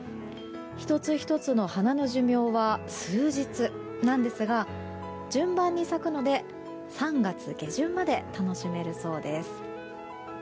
１つ１つの花の寿命は数日なんですが順番に咲くので３月下旬まで楽しめるそうです。